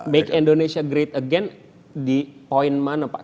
make indonesia great again di poin mana pak